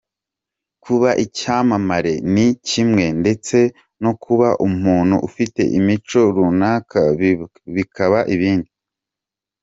Kuba icyamamare ni kimwe ndetse no kuba umuntu ufite imico runaka bikaba ibindi.